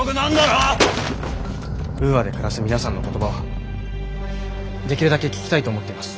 ウーアで暮らす皆さんの言葉はできるだけ聞きたいと思っています。